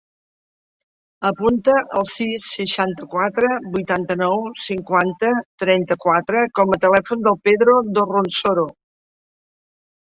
Apunta el sis, seixanta-quatre, vuitanta-nou, cinquanta, trenta-quatre com a telèfon del Pedro Dorronsoro.